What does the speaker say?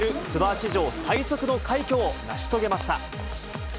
ツアー史上最速の快挙を成し遂げました。